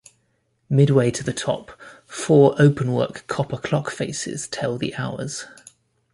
Midway to the top, four openwork copper clockfaces tell the hours.